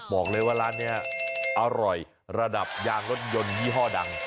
บอกเลยว่าร้านนี้อร่อยระดับยางรถยนต์ยี่ห้อดัง